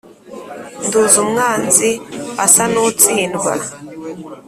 nduzi umwanzi asa n ' utsindwa